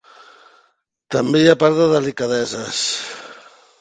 També hi ha part de delicadeses.